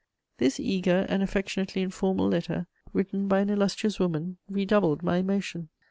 This eager and affectionately informal letter, written by an illustrious woman, redoubled my emotion.